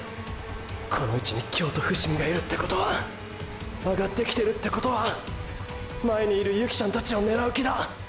この位置に京都伏見がいるってことはあがってきてるってことは前にいる雪成ちゃんたちを狙う気だ！！